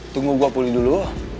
tunggu gua pulih dulu